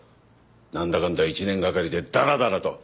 なんだかんだ一年がかりでダラダラと。